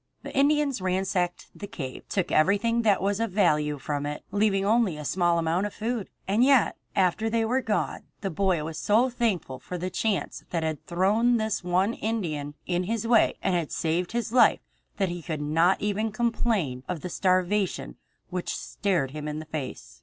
The Indians ransacked the cave, took everything that was of value from it, leaving only a small amount of food. And yet after they were gone the boy was so thankful for the chance that had thrown this one Indian in his way and had saved his life that he could not even complain of the starvation which stared him in the face.